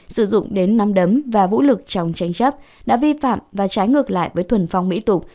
sử dụng đến nắm đấm và vũ lực trong tranh chấp đã vi phạm và trái ngược lại với thuần phong mỹ tục